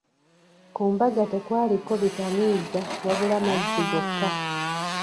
Ku mbaga tekwaliko bitamiiza wabula amazzi gokka.